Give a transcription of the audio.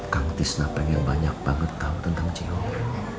kak tisna pengen banyak banget tau tentang ceyoyo